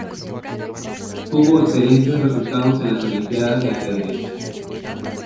Tuvo excelentes resultados en las Olimpiadas de Ajedrez.